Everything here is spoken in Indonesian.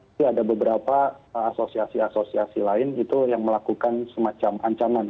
tapi ada beberapa asosiasi asosiasi lain itu yang melakukan semacam ancaman